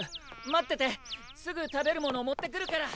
待っててすぐ食べる物を持ってくるから。